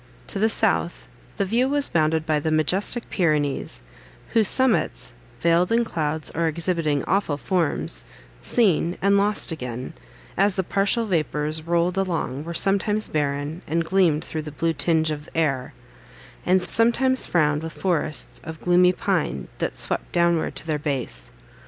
To the south, the view was bounded by the majestic Pyrenees, whose summits, veiled in clouds, or exhibiting awful forms, seen, and lost again, as the partial vapours rolled along, were sometimes barren, and gleamed through the blue tinge of air, and sometimes frowned with forests of gloomy pine, that swept downward to their base.